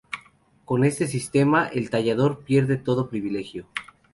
Con este sistema el tallador pierde todo privilegio.